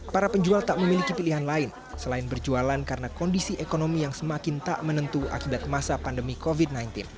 para penjual tak memiliki pilihan lain selain berjualan karena kondisi ekonomi yang semakin tak menentu akibat masa pandemi covid sembilan belas